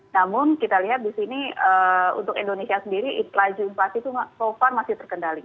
namun kita lihat di sini untuk indonesia sendiri laju inflasi itu so far masih terkendali